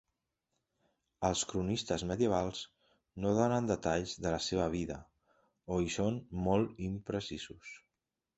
Els cronistes medievals no donen detalls de la seva vida o hi són molt imprecisos.